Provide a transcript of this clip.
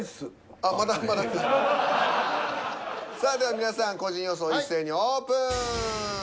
さあでは皆さん個人予想一斉にオープン。